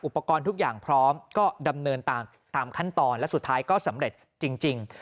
อุปกรณ์ทุกอย่างพร้อมก็ดำเนินตามขั้นตอนและสุดท้ายก็สำเร็จจริง